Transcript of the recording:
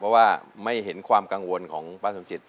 เพราะว่าไม่เห็นความกังวลของป้าสมจิต